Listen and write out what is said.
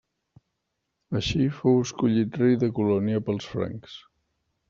Així fou escollit rei de Colònia pels francs.